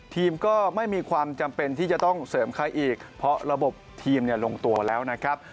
ทีมก็ไม่มีความจำเป็นที่จะต้องเสริมใครอีกเพราะระบบทีมเนี่ยลงตัวแล้วนะครับ